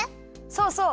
そうそう！